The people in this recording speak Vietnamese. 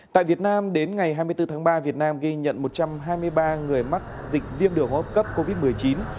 tại việt nam đến ngày hai mươi bốn tháng ba việt nam ghi nhận một trăm hai mươi ba người mắc dịch viêm đường hô hấp cấp covid một mươi chín